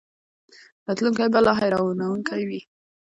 راتلونکی به لا حیرانوونکی وي.